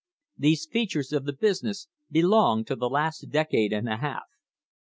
These features of the business belong to the last decade and a half.